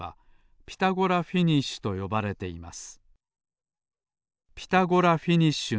「ピタゴラフィニッシュと呼ばれています」